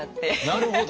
なるほど。